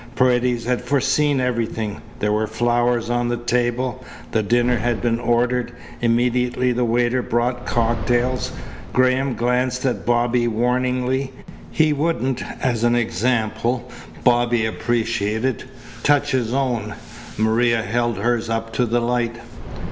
Paredes had foreseen everything. There were flowers on the table. The dinner had been ordered. Immediately the waiter brought cocktails. Graham glanced at Bobby warningly. He wouldn't, as an example Bobby appreciated, touch his own. Maria held hers up to the light.